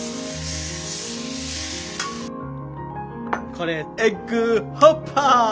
これエッグホッパー！